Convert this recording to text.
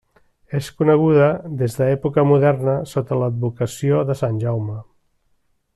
És coneguda des d'època moderna sota l'advocació de Sant Jaume.